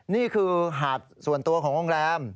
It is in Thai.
นี่คือหาดส่วนตัวของโรงแรม